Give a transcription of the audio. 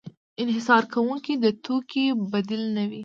د انحصار کوونکي د توکې بدیل نه وي.